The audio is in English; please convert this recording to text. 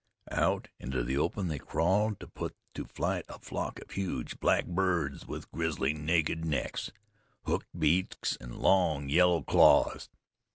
Out into the open they crawled to put to flight a flock of huge black birds with grisly, naked necks, hooked beaks, and long, yellow claws.